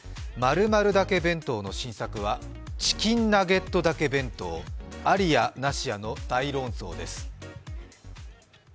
○○だけ弁当の新作は、チキンナゲットだけ弁当、ありやなしやの大論争です。